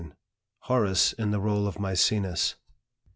HORACE IN THE RÔLE OF MÆCENAS.